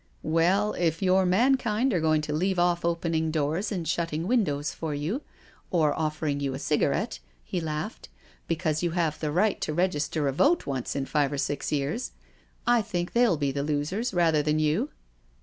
" Well, if your mankind are going to leave off opening doors and shutting windows for you, or offer ing you a cigarette," he laughed, " because you have the right to register a vote once in five or six years, I think they'll be the losers rather than you."